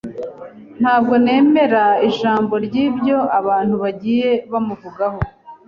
Ntabwo nemera ijambo ryibyo abantu bagiye bamuvugaho.